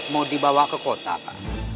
mau dibawa ke kota pak